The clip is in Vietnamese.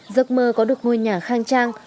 giấc mơ có được ngôi nhà khang trang